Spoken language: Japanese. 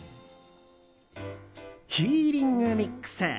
ヒーリングミックス。